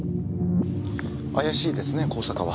怪しいですね香坂は。